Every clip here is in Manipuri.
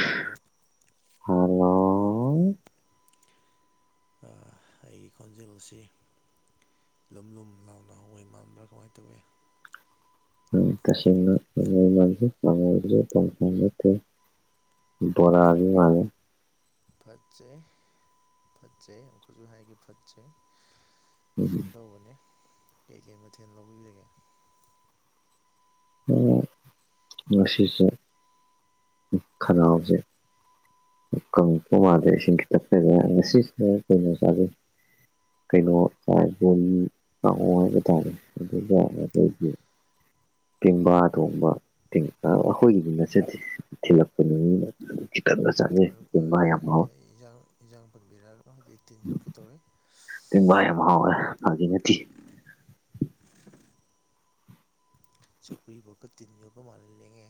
ꯍꯥꯠꯂꯣ ꯍꯂꯣ ꯑꯩꯒꯤ ꯈꯣꯟꯖꯦꯜ ꯑꯁꯤ ꯂꯨꯝ ꯂꯨꯝ ꯂꯥꯎꯅ ꯍꯋꯥꯏ ꯃꯥꯟꯕ꯭ꯔꯥ ꯀꯃꯥꯏꯅ ꯇꯧꯏꯤ ꯎꯝ ꯇꯁꯦꯡꯅ ꯑꯟꯏꯟꯇꯦꯜꯂꯤꯖꯦꯕꯜ ꯕꯣꯔꯥꯔꯤ ꯃꯥ ꯐꯠꯖꯩ ꯐꯠꯖꯩ ꯑꯃꯨꯛꯁꯨ ꯍꯥꯏꯒꯦ ꯐꯠꯖꯩ ꯁꯨꯝ ꯎꯝ ꯇꯧꯕꯅꯦ ꯀꯩꯀꯩ ꯃꯊꯦꯜ ꯂꯧꯕꯤꯔꯒꯦ ꯑꯣ ꯉꯁꯤꯁꯦ ꯈꯅꯥꯎꯁꯦ ꯃꯥꯗ ꯏꯁꯤꯡꯁꯤ ꯀꯛꯄꯗ ꯉꯁꯤꯁꯤ ꯀ ꯆꯥꯩ ꯀꯩꯅꯣ ꯇꯕꯣ ꯂꯥꯛꯑꯣ ꯍꯥꯏꯕ ꯇꯥꯔꯦ ꯑꯗꯨꯒ‌ ꯑꯗꯩꯗꯤ ꯇꯦꯡꯕꯥ ꯊꯣꯡꯕꯦꯡ ꯄꯦꯡ ꯑ ꯑꯈꯣꯏꯒꯤꯗꯤ ꯅꯠꯆꯗꯦ ꯎꯝ ꯃꯔꯨꯞ ꯌꯥꯔꯦ ꯑꯟꯏꯟꯇꯦꯜꯂꯤꯖꯦꯕꯜ ꯏꯟꯖꯥꯡ ꯏꯟꯖꯥꯡ ꯄꯨꯟꯕꯤꯔꯛꯑꯒ ꯍꯧꯖꯤꯛ ꯇꯤꯟ ꯌꯣꯛꯀꯤ ꯇꯧꯋꯤ ꯄꯦꯡꯕꯥꯏ ꯌꯥꯝ ꯍꯥꯎꯋꯦ ꯑꯗꯨꯒꯤ ꯅꯠꯇꯦ ꯆꯧꯀ꯭ꯔꯤꯐꯥꯎꯒ ꯇꯤꯟ ꯌꯣꯛꯒ ꯃꯥꯜꯍ ꯂꯦꯡꯉꯦ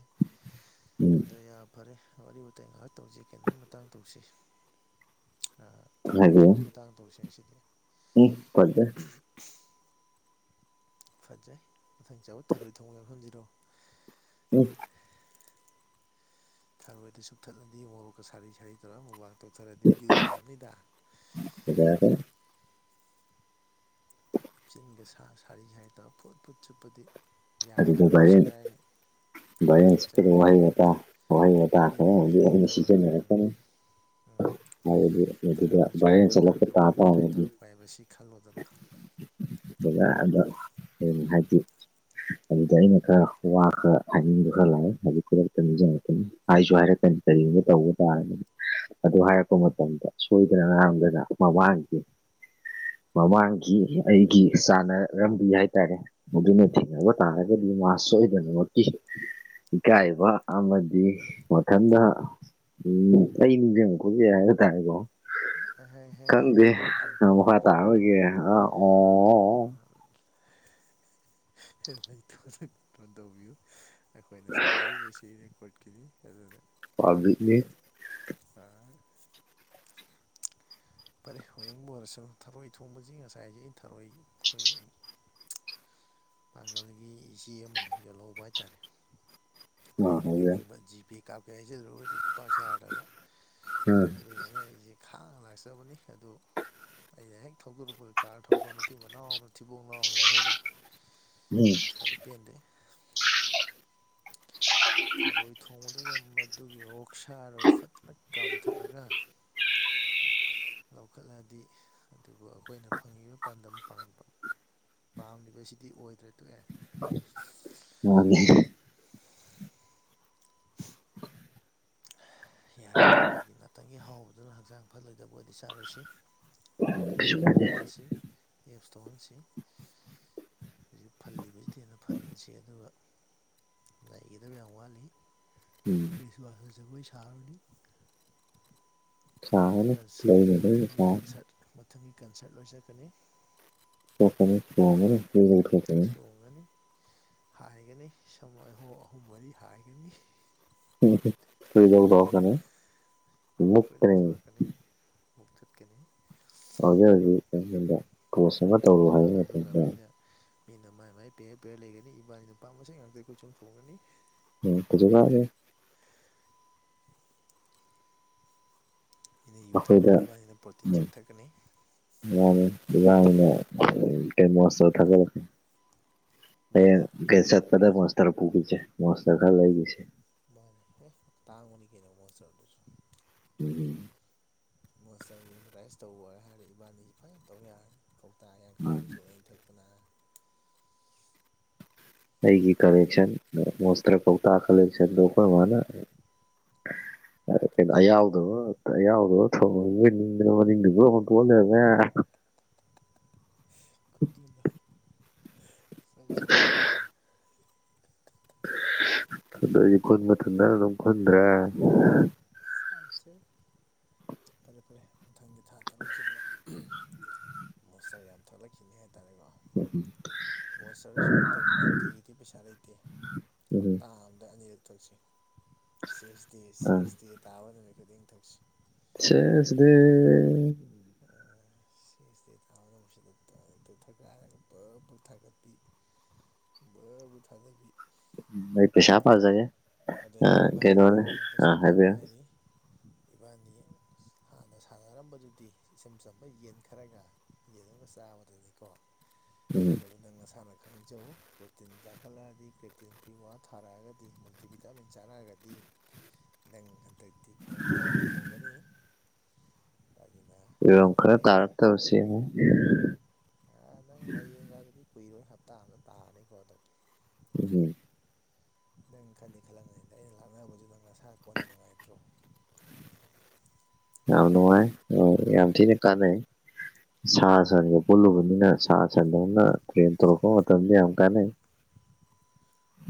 ꯎꯝ ꯑꯗ ꯐꯔꯦ ꯋꯥꯔꯤ ꯋꯥꯋꯇꯥꯏ ꯉꯥꯏꯍꯥꯛ ꯇꯧꯁꯤꯩ ꯀꯩꯅꯣꯒꯤ ꯃꯇꯥꯡ ꯇꯧꯁꯤ ꯑ ꯊꯔꯣꯏ ꯍꯥꯏꯕꯤꯌꯨ ꯊꯣꯡꯕꯩ ꯃꯇꯥꯡꯗ ꯇꯧꯁꯦ ꯉꯁꯤꯗꯤ [unintelligible] ꯐꯖꯩ ꯃꯊꯪ ꯆꯥꯕ ꯊꯔꯣꯏ ꯊꯣꯡꯕ ꯌꯥꯍꯟꯁꯤꯔꯣ ꯎꯝ ꯈꯔꯣꯏꯗꯨ ꯆꯨꯞꯊꯠꯂꯗꯤ ꯃꯣꯔꯣꯛꯀ ꯁꯥꯔꯤ ꯁꯥꯔꯤ ꯇꯧꯔꯒ ꯃꯨꯕꯥꯥꯡ ꯇꯧꯊꯔꯗꯤ ꯕꯌꯨꯗꯤ ꯌꯥꯝꯅꯤꯗ ꯀꯩꯗꯧꯔꯒꯦꯅꯦ ꯆꯤꯟꯒ ꯁꯥ ꯁꯥꯔꯤ ꯁꯥꯔꯤ ꯇꯧꯔꯒ ꯐꯨꯠ ꯐꯨꯠ ꯆꯨꯞꯄꯗꯤ ꯑꯗꯨꯗ ꯌꯥꯗꯒ ꯇꯣꯛ ꯚꯥꯏꯔꯦꯜ ꯁꯒꯥꯏꯅꯤ ꯄꯤꯔꯤ ꯄꯤꯔꯤꯒ ꯇꯧꯔꯒ ꯎꯝ [unintelligible] ꯎꯝ ꯍꯥꯏꯕꯗꯤ ꯃꯗꯨꯗ ꯊꯔꯣꯏ ꯆꯨꯞꯄꯩ ꯚꯥꯏꯔꯦꯜ ꯆꯠꯂꯛꯄ ꯃꯇꯥꯡꯗ ꯇꯥ ꯋꯥꯔꯤ ꯋꯥꯇꯥꯏ ꯇꯥꯔꯒꯗꯤ ꯇꯧꯔꯛꯄ ꯍꯥꯏꯕꯁꯤ ꯈꯜꯂꯣꯗꯅ [inaudible] ꯀꯌꯥꯗ ꯑꯗꯨ ꯍꯥꯏꯗꯤ ꯑꯗꯨꯗ ꯑꯩꯅ ꯈꯔ ꯋꯥ ꯈꯔ ꯍꯥꯏꯅꯤꯡꯗꯨ ꯈꯔ ꯂꯥꯛꯑꯦ ꯑꯗꯨꯛꯇꯉ ꯍꯥꯏꯁꯨ ꯍꯥꯏꯔꯛꯀꯅꯤ ꯀꯔꯤꯒꯅꯕ ꯇꯧꯕ ꯇꯥꯔꯅꯤ ꯑꯗꯨ ꯍꯥꯏꯔꯛꯄ ꯃꯇꯝꯗ ꯁꯣꯏꯗꯅ ꯉꯥꯡꯝꯗꯅ ꯃꯃꯥꯡꯒꯤ ꯃꯃꯥꯡꯒꯤ ꯑꯩꯒꯤ ꯆꯥꯟꯅꯔꯝꯕꯤ ꯍꯥꯏꯇꯥꯔꯦ ꯃꯗꯨꯅꯗꯤ ꯈꯕ ꯇꯥꯔꯒꯗꯤ ꯃꯥ ꯁꯣꯏꯗꯅꯃꯛꯀꯤ ꯏꯀꯥꯏꯕ ꯑꯃꯗꯤ ꯃꯊꯟꯗ ꯎꯝ ꯑꯩ ꯅꯤꯡꯖꯤꯡꯉꯛꯄꯖꯨ ꯌꯥꯏꯗ ꯇꯥꯔꯦꯀꯣ ꯑꯩꯍꯩ ꯍꯩ ꯍꯩ ꯈꯪꯗꯦ ꯑ ꯀꯟꯇ꯭ꯔꯣꯜ ꯃꯈꯥ ꯀꯟꯇ꯭ꯔꯣꯜ ꯇꯥꯔꯔꯣꯏꯒꯦꯔꯥ ꯑ ꯑꯣ ꯍ ꯂꯩꯇꯣꯟ ꯂꯩꯇꯣꯟ ꯇꯧꯕꯤꯌꯨ ꯑꯩꯈꯣꯏꯅ ꯁꯥꯟꯅꯔꯤꯕꯁꯤ ꯔꯦꯀꯣꯔꯠꯀꯤꯅꯤ ꯑꯗꯨ ꯑꯗꯨ ꯌꯥꯔꯒꯗꯤ ꯄꯕ꯭ꯂꯤꯛꯅꯤ ꯑꯥ ꯐꯔꯦ ꯍꯌꯦꯡꯕꯨ ꯑꯣꯏꯔꯁꯨ ꯊꯔꯣꯏ ꯊꯣꯡꯕꯁꯤ ꯉꯁꯥꯏꯁ ꯑꯩ ꯊꯔꯣꯏ ꯑꯩꯈꯣꯏꯒꯤ ꯄꯥꯡꯒꯜꯒꯤ ꯏꯆꯦ ꯑꯃꯅ ꯌꯣꯜꯍꯧꯕ ꯍꯥꯏꯇꯥꯔꯦ ꯑꯥ ꯑꯗꯒꯤ ꯍꯥꯏꯕ ꯂꯩꯅꯤꯡꯕ ꯖꯤꯄꯦ ꯀꯥꯞꯀꯦ ꯍꯥꯏꯁꯤꯜꯂꯨꯔꯗꯤ ꯈꯨꯄꯥꯛ ꯁꯥꯔꯗꯕ ꯎ ꯑꯗꯨꯗꯨꯅ ꯑꯩꯁꯦ ꯈꯥꯡꯅ ꯂꯥꯛꯆꯕꯅꯤ ꯑꯗꯨ ꯑꯩꯅ ꯍꯦꯛ ꯊꯧꯗꯣꯔꯛꯄ ꯀꯥꯔ ꯊꯧꯕ ꯃꯇꯤ ꯃꯅꯥꯎ ꯑꯃꯅ ꯊꯤꯕꯣꯡ ꯂꯅꯥ ꯑꯃ ꯂꯧꯍꯧꯔꯦ ꯎꯝ ꯈꯔ ꯄꯦꯟꯗꯦ [unintelligible] ꯊꯔꯣꯏ ꯊꯣꯡꯕꯗꯨꯒ ꯃꯗꯨꯒꯤ ꯑꯣꯛ ꯁꯥꯗꯨꯒ ꯐꯖꯅ ꯀꯥꯝꯊꯠꯂꯒ [inaudible] ꯂꯧꯈꯠꯂꯛꯑꯗꯤ ꯑꯗꯨꯕꯨ ꯑꯩꯈꯣꯏꯅ ꯐꯪꯉꯤꯕ ꯄꯥꯟꯗꯝ ꯄꯥꯟꯕ ꯄꯥꯝꯂꯤꯕꯁꯤꯗꯤ ꯑꯣꯏꯗ꯭ꯔꯦ ꯇꯣꯛꯑꯦ [unintelligible] ꯌꯥꯔꯦ ꯑꯗꯨꯒꯤ ꯉꯥꯛꯇꯪꯒꯤ ꯍꯥꯎꯕꯗꯨꯅ ꯍꯛꯆꯥꯡ ꯐꯠꯂꯣꯏꯗꯕ ꯑꯣꯏꯗꯤ ꯆꯥꯔꯣꯏꯁꯤ ꯄꯨꯛ ꯀꯩꯁꯨ ꯃꯌꯦꯡ ꯀꯥꯏꯗꯦ ꯇꯥꯍꯟꯁꯤ ꯑꯦꯞꯁ ꯇꯧꯍꯟꯁꯤ ꯍꯧꯖꯤꯛ ꯐꯜꯂꯤꯕ ꯊꯦꯟꯅ ꯐꯜꯍꯟꯁꯤ ꯑꯗꯨꯒ ꯅꯩꯒꯗꯕ ꯌꯥꯝ ꯋꯥꯠꯂꯤ ꯎꯝ ꯀꯩꯁꯜ ꯍꯖꯩ ꯁꯍꯅꯤ ꯁꯥꯒꯅꯤ ꯂꯩꯅ ꯂꯩꯅ ꯃꯊꯪꯒꯤ ꯁꯥ ꯀꯟꯁꯔꯠ ꯃꯊꯪꯒꯤ ꯀꯟꯁꯔꯠ ꯂꯣꯏ ꯆꯠꯀꯅꯤ [unintelligible] ꯆꯣꯡꯒꯅꯤ ꯍꯥꯏꯒꯅꯤ ꯁꯍ ꯑꯍꯨꯝ ꯃꯔꯤ ꯍꯥꯏꯒꯅꯤ [unintelligible] ꯑꯗꯨ ꯃꯨꯛꯇ꯭ꯔꯤꯅꯤ ꯐꯣꯏꯗꯁꯨꯔꯀꯅꯤ ꯃꯛ ꯊꯠꯀꯅꯤ ꯍꯧꯖꯤꯛ ꯍꯧꯖꯤꯛ ꯀꯣꯟꯗ ꯄꯣꯁ ꯑꯃ ꯇꯧꯔꯨ ꯑꯗꯨꯒ ꯍꯥꯏꯕ ꯑꯗꯨꯒ ꯃꯇꯝꯗ ꯃꯤꯅ ꯃꯤꯅ ꯃꯥꯏ ꯃꯥꯏ ꯄꯦꯌꯔ ꯄꯦꯌꯔ ꯂꯩꯒꯅꯤ ꯏꯕꯥꯅꯤꯅ ꯅꯨꯄꯥ ꯃꯁꯦꯟ ꯉꯥꯛꯇ ꯀꯣꯏꯆꯣꯡ ꯆꯣꯡꯒꯅꯤ [unintelligible] ꯃꯤꯅ ꯌꯨ ꯑꯩꯈꯣꯏꯗ ꯊꯛꯀꯅꯤ ꯏꯃꯥꯅꯤꯅ ꯄ꯭ꯔꯣꯇꯤꯟ ꯎꯝ ꯁꯦꯛ ꯊꯛꯀꯅꯤ [unintelligible] ꯃꯤꯅ ꯀꯦꯁ ꯀꯗꯥ ꯃꯤꯅ ꯃꯁ ꯇꯔ ꯄꯨꯒꯁꯦ ꯃꯁ ꯇꯔ ꯈꯔ ꯂꯏꯁꯤꯦ ꯃꯥꯅꯦ ꯍꯦ ꯇꯥꯡꯕꯅꯤ ꯀꯩꯅꯣ ꯃꯣ ꯆꯔ ꯑꯗꯨꯁꯨ ꯎꯝ ꯎꯝ ꯃꯣꯁꯇꯔꯒꯤ ꯑꯦꯗꯚꯔꯇꯥꯏꯁ ꯇꯧꯕ ꯍꯥꯏꯔꯗꯤ ꯏꯕꯥꯅꯤꯁꯤ ꯐꯖꯅ ꯇꯧ ꯌꯥꯔꯅꯤ ꯇ ꯎꯝ ꯌꯥꯡꯈꯩꯃꯨꯛ ꯁꯨꯔꯦ ꯑꯩ ꯊꯛꯄꯅ ꯑꯩꯒꯤ ꯀꯂꯦꯛꯁꯟ ꯃꯣꯁꯇ꯭ꯔ ꯀꯧꯇꯥ ꯀꯂꯦꯛꯁꯟꯗꯣ ꯑꯩꯈꯣꯏ ꯃꯥꯅ [unintelligible] ꯀꯩꯅꯣ ꯏꯀꯥꯏꯖꯈ꯭ꯔꯦ ꯑꯌꯥꯎꯗꯣ ꯑꯌꯥꯎꯗꯣ ꯊ ꯃꯅꯤꯡꯗꯅ ꯂꯣꯏ ꯍꯨꯟꯇꯣꯛ ꯑ ꯂꯩꯔꯃꯦ [unintelligible] ꯊꯣꯛꯗꯕ ꯍ ꯑꯕꯒꯤ ꯨꯟꯕ ꯇꯟꯗꯅ ꯑꯗꯨꯝ ꯈꯨꯟꯗ꯭ꯔꯦ ꯁꯠꯆꯩ ꯐꯔꯦ ꯐꯔꯦ ꯃꯊꯪꯒꯤ ꯊꯥ ꯇꯔꯨꯛꯁꯤꯗ ꯃꯣꯁꯇꯔ ꯌꯥꯝ ꯊꯣꯛꯂꯛꯈꯤꯅꯤ ꯍꯥꯏꯇꯥꯔꯦꯀꯣ [unintelligible] ꯁꯨꯃꯥꯏ ꯇꯧꯁꯦ ꯅꯪ ꯅꯨꯡꯇꯤꯒꯤꯗꯤ ꯄꯩꯁꯥ ꯂꯩꯇꯦ ꯎꯝ ꯍꯞꯇꯥ ꯑꯝꯗ ꯑꯅꯤꯔꯛ ꯊꯛꯁꯤ ꯁꯤꯌꯦꯁ ꯗꯦ ꯑ ꯁꯤꯌꯦꯁ ꯗꯦ ꯇꯥꯕ ꯅꯨꯃꯤꯠ ꯈꯨꯗꯤꯡ ꯊꯛꯁꯤ ꯆꯦꯁ ꯗꯦ ꯑꯁ ꯐꯦꯁꯇꯦ ꯊꯥꯅꯕꯁꯤꯗ ꯇꯛꯇ ꯊꯀꯥꯏꯔꯒ ꯄꯨꯂꯞ ꯄꯨꯂ ꯊꯥꯒꯠꯄꯤ ꯕ ꯕ ꯊꯥꯗꯕꯤ ꯑꯩ ꯄꯁꯥ ꯄꯔꯖꯒꯦ ꯑꯗꯨꯗ ꯑꯩ ꯀꯣꯝ ꯍꯥꯏꯖꯒꯦ ꯅꯪ ꯄꯩꯁꯥ ꯄꯥꯏꯕ ꯍꯥꯏꯕꯤꯌꯨ ꯂꯩꯔꯤ ꯏꯕꯥꯅꯤ ꯍꯥꯟꯅ ꯁꯥꯟꯅꯔꯝꯕꯗꯨꯗꯤ ꯏꯆꯝ ꯆꯝꯕ ꯌꯦꯟ ꯈꯔꯒ ꯌꯦꯟ ꯑꯃꯒ ꯆꯥꯕꯗꯨꯅꯤꯀꯣ ꯎꯝ ꯑꯗꯨꯕꯨ ꯅꯪ ꯅꯁꯥꯅ ꯈꯪꯖꯧ ꯄ꯭ꯔꯣꯇꯤꯟ ꯆꯥꯈꯠꯂꯛꯑꯗꯤ ꯀ꯭ꯔꯦꯇꯤꯟ ꯄꯤ ꯋꯥ ꯊꯥꯔꯛꯑꯒꯗꯤ ꯇꯤ ꯚꯤꯇꯥꯃꯤꯟ ꯆꯥꯔꯛꯑꯒꯗꯤ ꯅꯪ ꯍꯟꯗꯛꯇꯤ ꯈꯔ ꯂꯥꯎ ꯈꯣꯡꯒꯅꯤ ꯑꯗꯨꯅ ꯍꯥꯟꯅꯗꯤ ꯑꯩꯅ ꯗꯣ ꯁꯦꯡꯉꯨ ꯑ ꯅꯪ ꯃꯌꯦꯡꯒꯗꯨꯗꯤ ꯀꯨꯏꯔꯣꯏ ꯍꯞꯇꯥ ꯑꯃꯗ ꯑꯝ ꯇꯥꯔꯅꯤꯀꯣ ꯑꯗꯨꯝ ꯎ ꯅꯪ ꯍꯝ ꯅꯪ ꯈꯟꯗꯤ ꯈꯜꯂꯒꯅꯤꯗ ꯑꯩꯅ ꯂꯥꯛꯅꯕꯁꯨ ꯅꯪ ꯉꯁꯥ ꯀꯣꯟꯗ ꯅꯨꯡꯉꯥꯏꯇ꯭ꯔꯣ ꯌꯥꯝ ꯅꯨꯡꯉꯥꯏ ꯌꯥꯝ ꯊꯤꯅ ꯀꯥꯟꯅꯩ ꯁꯥ ꯁꯟꯒ ꯄꯨꯜꯂꯨꯕꯅꯤꯅ ꯁꯥ ꯁꯟꯗꯧꯅ ꯇ꯭ꯔꯦꯟ ꯇꯧꯔꯛꯄ ꯃꯇꯝꯗ ꯌꯥꯝ ꯀꯥꯟꯅꯩ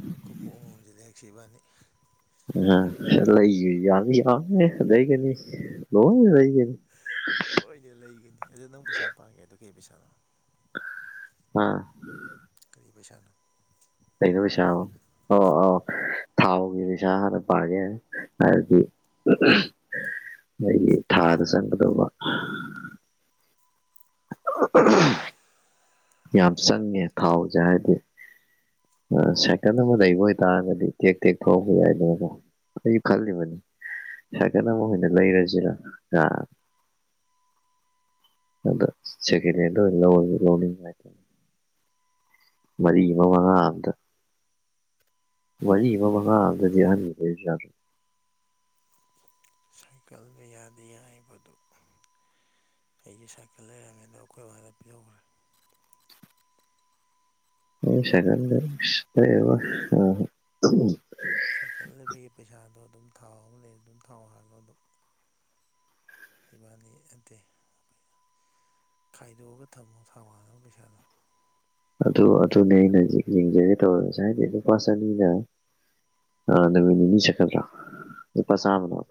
ꯑ ꯈꯣꯡꯎꯞ ꯑꯃꯃꯝꯁ ꯂꯦꯛꯛꯁꯤꯕꯅꯤ ꯂꯩ ꯌꯥꯅꯤ ꯌꯥꯉꯦ ꯂꯩꯒꯅꯤ ꯂ ꯂꯩꯒꯅꯤ ꯂꯣꯏꯗ ꯂꯩꯒꯅꯤ ꯑꯗꯨ ꯅꯪ ꯄꯩꯁꯥ ꯄꯥꯒꯦ ꯑꯗꯨ ꯀꯩ ꯄꯩꯁꯥꯅꯣ ꯑꯥ ꯀꯔꯤ ꯄꯩꯁꯥꯅꯣ ꯀꯩꯩꯅꯣ ꯄꯩꯁꯥꯏ ꯑꯧ ꯑꯧ ꯊꯥꯎꯒꯤ ꯁꯥꯅ ꯄꯒꯦ ꯍꯥꯏꯗꯤ ꯂꯩꯒꯤ ꯊꯥꯗ ꯆꯪꯒꯗꯕ ꯌꯥꯝ ꯆꯪꯉꯦ ꯊꯥꯎꯁꯖꯦ ꯍꯥꯏꯗꯤ ꯁꯥꯏꯀꯜ ꯑꯃ ꯂꯩꯕ ꯑꯣꯏꯇꯥꯔꯒꯗꯤ ꯇꯦꯛ ꯇꯦꯛ ꯊꯣꯛꯍꯧꯕ ꯌꯥꯏꯗꯅꯀꯣ ꯑꯩꯁꯨ ꯈꯜꯂꯤꯕꯅꯤ ꯁꯀꯠ ꯑꯃ ꯑꯣꯏꯅ ꯂꯩꯔꯁꯤꯔ ꯑ ꯑꯗ ꯁꯦꯀꯦꯂꯦꯜꯗ ꯑꯣꯏ ꯂꯧꯔꯁꯨ ꯂꯧꯅꯤꯡꯕ ꯍꯥꯏ ꯃꯔꯤ ꯑꯃ ꯃꯉꯑꯝꯇ ꯃꯔꯤ ꯑꯃ ꯃꯉꯥ ꯑꯝꯇꯗꯤ ꯑꯍꯜ [unintelligible] ꯁꯥꯏꯀꯜꯗ ꯌꯥꯗꯤ ꯌꯥꯏꯕꯗꯨ ꯑꯩꯒꯤ ꯁꯥꯏꯀꯜ ꯂꯩꯔꯝꯃꯦ ꯑꯗꯣ ꯑꯩꯈꯣꯏ ꯕꯥꯗ ꯄꯤꯊꯣꯈ꯭ꯔꯦ ꯃꯥ [unintelligible] [inaudible] ꯁꯥꯏꯀꯜ ꯂꯩꯕꯒꯤ ꯄꯩꯁꯥꯗꯣ ꯑꯗꯨꯝ ꯊꯥꯎ ꯑꯃ ꯂꯩ ꯑꯗꯨꯝ ꯊꯥꯎ ꯍꯥꯜꯂꯣ ꯑꯗꯨꯝ ꯏꯕꯥꯅꯤ ꯅꯠꯇꯦ ꯈꯥꯏꯗꯣꯛꯑꯒ ꯊꯝꯃꯣ ꯊꯥꯎ ꯍꯥꯟꯅꯕ ꯄꯩꯁꯥꯗꯣ ꯑꯗꯨ ꯑꯗꯨꯅꯦ ꯑꯩꯅ ꯌꯦꯡꯖꯦ ꯍꯥꯏꯒꯦ ꯇꯧꯔ ꯉꯁꯥꯏꯗꯤ ꯂꯨꯄꯥ ꯆꯅꯤꯅ ꯑ ꯅꯨꯃꯤꯠ ꯅꯤꯅꯤ ꯆꯠꯀꯗ꯭ꯔꯣ ꯂꯨꯄꯥ ꯆꯥꯝꯃꯅ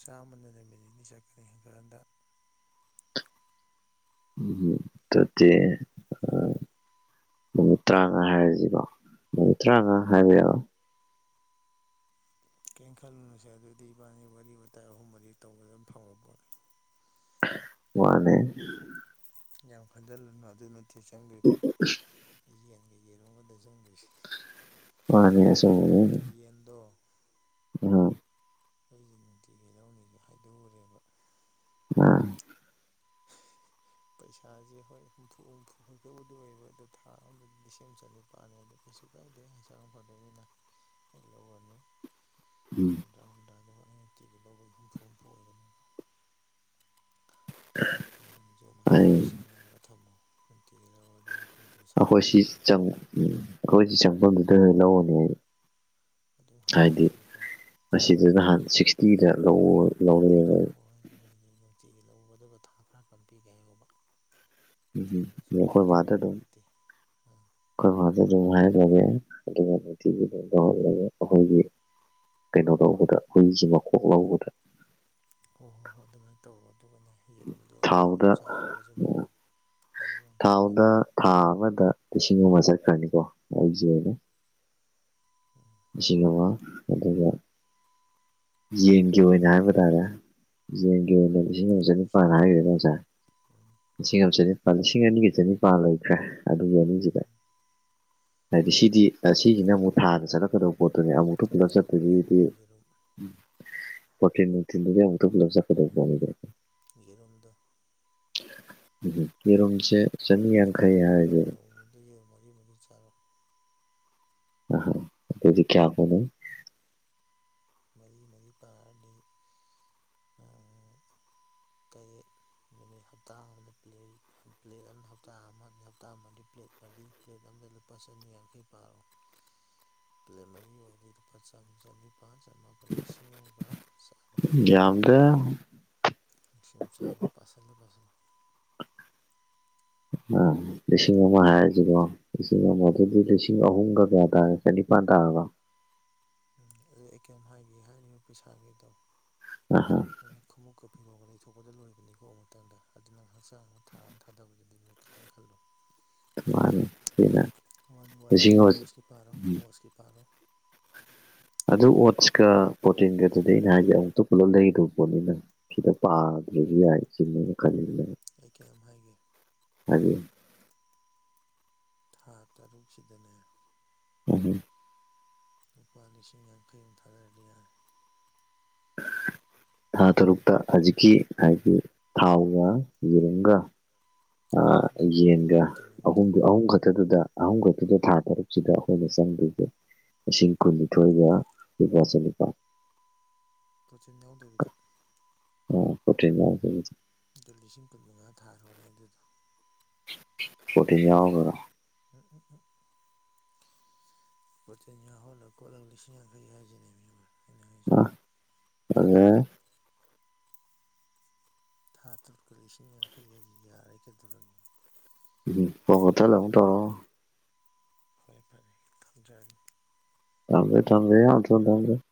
ꯆꯥꯝꯃꯅ ꯅꯨꯃꯤꯠ ꯅꯤꯅꯤ ꯆꯠꯀꯅꯤ ꯍꯟꯀꯟꯗ ꯎꯝ ꯎꯝ ꯗꯨꯗꯤ ꯅꯨꯃꯤꯠ ꯇꯔꯥꯃꯉꯥ ꯍꯥꯏꯔꯁꯤꯕꯣ ꯅꯨꯃꯤꯠ ꯇꯔꯥꯃꯉꯥ ꯍꯥꯏꯕ ꯌꯥꯕ ꯀꯩꯅꯅ ꯈꯜꯂꯨꯅꯨꯁꯦ ꯑꯗꯨꯗꯤ ꯏꯕꯥꯅꯤ ꯋꯥꯔꯤ ꯋꯥꯇꯥꯏ ꯑꯍꯨꯝ ꯃꯔꯤ ꯇꯧꯕꯗ ꯑꯗꯨꯝ ꯊꯪꯕ ꯄꯣꯠꯅꯤ ꯋꯥꯅꯦ ꯌꯥꯝ ꯈꯟꯖꯤꯜꯂꯅꯨ ꯑꯗꯨ ꯅꯠꯇꯦ ꯆꯪꯗ꯭ꯔꯗꯤ ꯌꯦꯟꯒ ꯌꯦꯔꯨꯒꯗ ꯆꯪꯗꯣꯏꯁꯦ ꯃꯥꯅꯦ ꯑꯁꯦꯝꯕꯃꯛꯅꯦ ꯌꯦꯌꯦꯟꯗ ꯑꯍꯝ ꯑꯩꯁꯦ ꯅꯨꯡꯇꯤꯒꯤ ꯂꯧꯅꯤꯁꯨ ꯍꯥꯏꯗꯣꯛꯎꯔꯦꯕ ꯅꯥ ꯄꯩꯁꯥꯖꯤ ꯍꯣꯏ ꯍꯨꯝꯐꯨ ꯍꯨꯝꯐꯨ ꯈꯛꯇꯕꯨꯗꯤ ꯑꯣꯏꯕ ꯑꯗꯣ ꯊꯥ ꯑꯝꯗꯗꯤ ꯂꯤꯁꯤꯡꯑꯝ ꯆꯥꯅꯤ ꯄꯥꯅꯤ ꯑꯗꯨ ꯀꯩꯁꯨ ꯀꯥꯏꯗꯦ ꯍꯛꯆꯥꯡ ꯐꯗꯣꯏꯃꯤꯅ ꯑꯩ ꯂꯧꯔꯅꯤ ꯎꯝ ꯍꯨꯝꯗ꯭ꯔꯥ ꯍꯨꯝꯗ꯭ꯔꯥꯗꯣ ꯑꯩꯅ ꯇꯤꯀꯤ ꯂꯧꯕꯩ ꯍꯨꯝꯐꯨ ꯍꯨꯝꯐꯨ ꯑꯣꯏꯕꯅꯦꯕ [inaudible] ꯅꯪ ꯌꯣ ꯃꯥꯅꯉ ꯑꯩ ꯁꯦꯡꯅꯔꯒ ꯊꯝꯃꯣ ꯅꯨꯡꯝꯇꯒꯗ ꯋꯥꯔꯤꯗꯤꯐꯨ ꯑꯈꯣꯏ ꯁꯤ ꯆꯪ ꯑꯩꯈꯣꯏ ꯁꯤ ꯆꯪꯕꯝꯗꯨꯗ ꯂꯧꯔꯅꯤꯌ ꯑꯗꯨꯝ ꯍꯥꯏꯗꯤ ꯍꯥꯏꯅꯔꯛꯑꯣꯕꯀꯣ ꯑꯁꯤꯗ ꯅꯍꯥꯟ ꯁꯤꯛꯁꯇꯤꯗ ꯂꯧꯑꯣ ꯂꯧꯔꯑꯦꯕ ꯍꯣꯏ ꯑꯗꯨꯅ ꯍꯥꯏꯁꯤꯗꯤ ꯅꯨꯡꯇꯤꯒꯤ ꯂꯧꯒꯗꯕ ꯊꯥ ꯈꯔ ꯀꯝꯄꯤꯒꯦꯍꯧꯕ ꯅꯨꯡꯇꯤꯒꯤ ꯃꯆꯦꯠ ꯑꯩꯈꯣꯏ ꯃꯆꯦꯠ ꯇꯧꯕꯗꯨ ꯅꯨꯡꯉꯥꯏꯇꯦ ꯑꯥ ꯈꯣꯏ ꯃꯥꯗ ꯑꯗꯨꯝ ꯍꯥꯏꯍꯂꯒꯦ ꯑꯗꯨꯒ ꯅꯨꯡꯇꯤꯒꯤ ꯕꯖꯟ ꯇꯧꯍꯂꯒꯦ ꯑꯈꯣꯏꯒꯤ ꯀꯩꯅꯣ ꯇꯧꯕꯗ ꯍꯨꯏꯁꯤ ꯃꯣꯛ ꯂꯧꯕꯗ ꯍꯣ ꯍꯣ ꯍꯣ ꯑꯗꯨꯃꯥꯏꯟ ꯇꯧꯔꯣ ꯑꯗꯨꯒꯅꯦ ꯌꯦꯔꯨꯝꯗꯨꯣ ꯃꯌꯥꯝ ꯌꯥꯝ ꯊꯥꯎꯗ ꯆꯥꯗ꯭ꯔꯒꯁꯨꯅꯦ ꯌꯦꯔꯨꯝ ꯌꯥꯝ ꯊꯥꯎꯗ ꯇꯥꯡꯉꯦꯗꯅ ꯊꯥ ꯑꯃꯗ ꯂꯤꯁꯤꯡ ꯑꯃ ꯆꯠꯈ꯭ꯔꯅꯤꯀꯣ ꯑꯥꯏꯖꯦ ꯑꯣꯏꯅ ꯎꯝ ꯏꯁꯤꯒꯃ ꯑꯗꯨꯒ ꯌꯦꯟꯒꯤ ꯑꯣꯏꯅ ꯍꯥꯏꯕ ꯇꯥꯔꯦ ꯌꯦꯟꯒꯤ ꯑꯣꯏꯅꯗꯤ ꯏꯅꯤꯡ ꯂꯤꯁꯤꯡ ꯆꯥꯅꯤꯄꯥꯟ ꯑꯃ ꯍꯥꯏꯒꯔꯗꯗꯤ ꯆꯅꯤꯄꯥꯜ ꯉꯁꯥꯏ ꯎꯝ ꯂꯤꯁꯤꯡ ꯑꯃ ꯆꯅꯤꯄꯥꯟ ꯂꯤꯁꯤꯡ ꯑꯅꯤꯒꯤ ꯆꯅꯤꯄꯥꯜ ꯂꯣꯏꯈ꯭ꯔꯦ ꯑꯗꯨꯒ ꯑꯅꯤꯖꯤꯗ ꯎꯝ ꯍꯥꯏꯗꯤ ꯁꯤꯗꯤ ꯁꯤꯖꯤꯅ ꯑꯃꯨꯛ ꯊꯥꯗ ꯆꯠꯂꯛꯀꯗꯣ ꯄꯣꯠꯇꯨꯅꯦ ꯑꯃꯨꯛꯇ ꯎꯝ ꯄꯨꯂꯞ ꯌꯦꯔꯨꯝ ꯌꯦꯔꯨꯝ ꯆꯠꯄꯒꯤꯗꯤ ꯌꯦꯔꯨꯝ ꯄꯣꯊꯤꯟꯅꯨꯡꯤꯟꯗꯨꯗꯤꯛꯇ ꯄꯨꯂꯞꯖꯗꯗꯔꯦ [unintelligible] ꯌꯦꯔꯝꯗ ꯍꯝꯍꯝ ꯀꯦꯔꯣꯝꯆꯦ ꯅꯣꯡꯃꯗ ꯅꯣꯡꯃꯗ ꯃꯔꯤ ꯃꯔꯤ ꯆꯥꯔꯣꯏ ꯅꯍꯪ ꯑꯗꯨꯗꯤ ꯀꯌꯥ ꯍꯨꯒꯟ ꯃꯔꯤ ꯃꯔꯤ ꯄꯥꯔꯗꯤ ꯇꯥꯠ ꯀꯌꯦꯛ ꯃꯤ ꯍꯥꯞꯇꯥ ꯄ꯭ꯂꯦ ꯄ꯭ꯂꯦꯠ ꯑꯝꯗ ꯍꯞꯇꯥ ꯑꯃ ꯑꯗꯤ ꯍꯞꯇ ꯃꯔꯤ ꯄ꯭ꯂꯦꯠ ꯃꯔꯤ ꯄ꯭ꯂꯦꯠ ꯑꯝꯗ ꯂꯨꯄꯥ ꯆꯅꯤ ꯌꯥꯡꯈꯩ ꯄꯥꯔꯣ ꯄ꯭ꯂꯦ ꯃꯔꯤ ꯑꯣꯏꯗꯣꯏꯗꯣ ꯂꯨꯄꯥ ꯆꯥꯃꯤ ꯆꯅꯤꯞ ꯅꯤꯄꯥ ꯆꯃꯄꯜ ꯂꯤꯁꯤꯡ ꯑꯃꯒ ꯆꯥꯝꯃ ꯌꯥ ꯗ ꯁꯤꯡꯨꯝ ꯆ ꯆꯥꯎꯅ ꯐꯁꯜ ꯐꯁꯜ ꯃꯥꯅꯤ ꯂꯤꯁꯤꯡ ꯑꯃ ꯍꯥꯏꯔꯖꯤꯕꯣ ꯂꯤꯁꯤꯡ ꯑꯃ ꯑꯗꯨꯗꯤ ꯂꯤꯁꯤꯡ ꯑꯍꯨꯝꯒ ꯀꯌꯥ ꯇꯥꯔꯦ ꯆꯅꯤꯄꯥꯟ ꯇꯥꯔꯕ ꯎꯝ ꯑꯗꯨ ꯑꯩ ꯀꯩꯝ ꯍꯥꯏꯒꯦ ꯍꯥꯏꯔꯤꯅ ꯄꯩꯁꯥꯒꯤꯗꯣ ꯑ ꯍ ꯑꯗꯨꯅ ꯈꯣꯡꯎꯞꯀ ꯐꯤꯔꯣꯛꯒ ꯂꯩꯊꯣꯛꯄꯗ ꯂꯣꯏꯕꯅꯤꯀꯣ ꯑꯃꯨꯇꯪꯗ ꯑꯗꯨꯅꯪ ꯍꯛꯆꯥꯡ ꯑꯃ ꯊꯥ ꯑꯃ ꯊꯥꯗꯕꯗꯨꯗꯤ ꯃꯣꯏ ꯈꯤꯇꯪ ꯈꯜꯂꯣ ꯃꯥꯅꯤ ꯁꯤꯅ ꯋꯥ ꯋꯥꯗꯤ ꯂꯤꯁꯤꯡ ꯑꯣꯁꯀꯤ ꯄꯥꯔꯣ ꯑꯣꯁꯀꯤ ꯄꯥꯔꯣ ꯑꯗꯨ ꯑꯣꯠꯁꯀ ꯄ꯭ꯔꯣꯇꯤꯟꯒꯗꯨꯗꯤ ꯑꯩꯅ ꯍꯥꯏꯒꯦ ꯑꯃꯨꯛꯇ ꯄꯨꯜꯂꯞ ꯂꯩꯒꯗꯕ ꯄꯣꯠꯅꯤꯅꯪ ꯁꯤꯗ ꯄꯒ ꯂꯩꯕꯤ ꯍꯥꯏꯁꯤ ꯈ ꯑꯩ ꯀꯌꯥꯝ ꯍꯥꯏꯒꯦ ꯍꯅꯤ ꯊꯥ ꯇꯔꯨꯛꯁꯤꯗꯅꯦ ꯎꯍ ꯂꯨꯄꯥ ꯂꯤꯁꯤꯡ ꯌꯥꯡꯈꯩꯃꯨ ꯊꯥꯗꯔꯗꯤ ꯌꯥꯔ ꯊꯥ ꯇꯔꯨꯛꯇ ꯍꯧꯖꯤꯛꯀꯤ ꯍꯥꯏꯗꯤ ꯊꯥꯎꯒ ꯌꯦꯔꯨꯝꯒ ꯑ ꯂꯣꯏꯅꯃꯛ ꯌꯦꯟꯒꯦ ꯄ꯭ꯔꯣꯇꯤꯟ ꯅꯨꯡꯇꯤꯟ ꯑꯍꯨꯝꯗꯨ ꯑꯍꯨꯝ ꯂꯣꯏꯅꯃꯛ ꯈꯛ ꯑꯗꯨ ꯑꯗꯨꯗ ꯑꯍꯨꯝꯒꯛꯇꯗ ꯊꯥ ꯇꯔꯨꯛꯁꯤꯗ ꯑꯩꯈꯣꯏꯅ ꯆꯪꯗꯒꯦ ꯂꯤꯁꯤꯡ ꯀꯨꯟꯅꯤꯊꯣꯏꯒ ꯂꯨꯄꯥ ꯆꯅꯤꯄꯥꯥꯟ ꯄ꯭ꯔꯣꯆꯤꯟ ꯌꯥꯎꯗꯕꯤꯗ ꯑꯣ ꯍꯣꯇꯦ [unintelligible] ꯑꯗꯨ ꯂꯤꯁꯤꯡ ꯀꯨꯟꯃꯉꯥ ꯊꯥꯈꯔꯣꯅꯦ ꯑꯗꯨꯗꯣ ꯄꯔꯣꯇꯤ ꯌꯥꯎꯒꯒ ꯎꯝ ꯎꯝ ꯎꯝ ꯄꯣꯇꯤꯟ ꯌꯥꯎꯍꯜꯂ ꯀꯣꯂꯒ ꯂꯤꯁꯤꯡ ꯌꯥꯡꯈꯩ ꯍꯥꯏꯖꯤꯅꯦꯃꯤ ꯕ ꯑꯉꯦ [inaudible] ꯊꯥ ꯇꯨꯠꯀꯔꯂ ꯂꯤꯁꯤꯡ ꯌꯥꯡꯈꯩ ꯍꯦꯜꯂꯤ ꯌꯔꯦ ꯀꯩꯗꯧꯔꯦ ꯎꯝ ꯄꯉꯇ ꯂ ꯇꯣ [unintelligible] ꯐꯔꯦ ꯐꯔꯦ ꯊꯝꯖꯔꯒꯦ ꯇꯝꯗꯦ ꯇꯝꯗꯃꯦꯦ ꯌꯥ ꯆ ꯊꯝꯗꯦ [unintelligible]